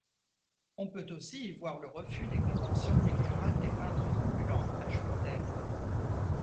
On peut aussi y voir le refus des conventions picturales des peintres Ambulants, ajoute-t-elle.